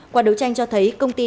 quả đấu tranh cho thấy công ty